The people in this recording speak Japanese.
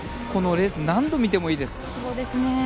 このレース何度見てもいいです。